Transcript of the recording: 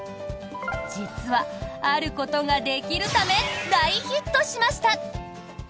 実は、あることができるため大ヒットしました。